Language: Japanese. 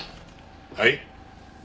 はい？